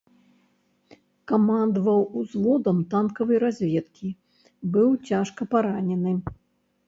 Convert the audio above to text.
Камандаваў узводам танкавай разведкі, быў цяжка паранены.